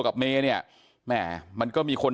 กับเมย์เนี่ยแหม่มันก็มีคน